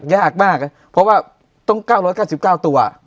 ยากมากเพราะว่าต้อง๙๙ตัว